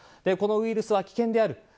このウイルスは危険である。